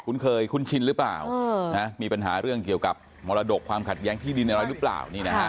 เคยคุ้นชินหรือเปล่ามีปัญหาเรื่องเกี่ยวกับมรดกความขัดแย้งที่ดินอะไรหรือเปล่า